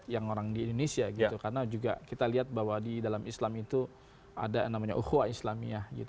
karena kita lihat bahwa di dalam islam itu ada namanya ukhwa islamiyah